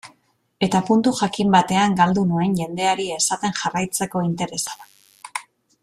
Eta puntu jakin batean galdu nuen jendeari esaten jarraitzeko interesa.